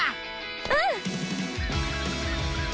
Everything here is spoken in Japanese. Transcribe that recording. うん！